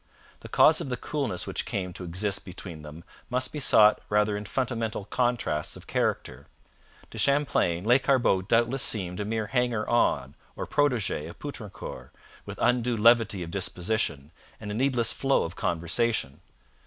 The cause of the coolness which came to exist between them must be sought rather in fundamental contrasts of character. To Champlain, Lescarbot doubtless seemed a mere hanger on or protege of Poutrincourt, with undue levity of disposition and a needless flow of conversation.